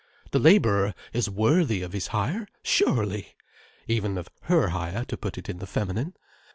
The labourer is worthy of his hire. Surely! Even of her hire, to put it in the feminine.